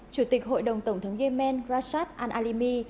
chủ tịch hội đồng tổng thống yemen rashad al alimi